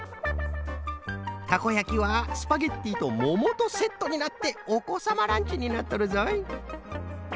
たこやきはスパゲッティとももとセットになっておこさまランチになっとるぞい。